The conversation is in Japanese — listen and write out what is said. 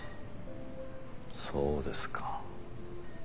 そうですか。